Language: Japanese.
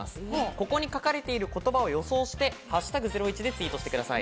ここに書かれている言葉を予想して「＃ゼロイチ」でツイートしてください。